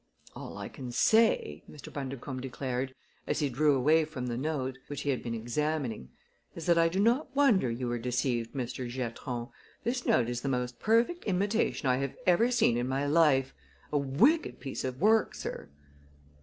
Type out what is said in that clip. "All I can say," Mr. Bundercombe declared, as he drew away from the note, which he had been examining, "is that I do not wonder you were deceived, Mr. Giatron. This note is the most perfect imitation I have ever seen in my life. A wicked piece of work, sir!"